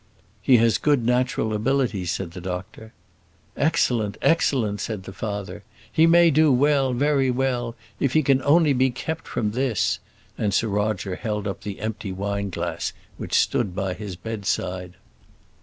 "He has good natural abilities," said the doctor. "Excellent, excellent," said the father. "He may do well, very well, if he can only be kept from this;" and Sir Roger held up the empty wine glass which stood by his bedside.